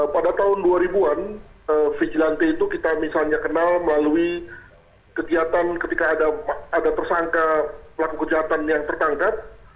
pada tahun dua ribu an vigilante itu kita misalnya kenal melalui kegiatan ketika ada tersangka pelaku kejahatan yang tertangkap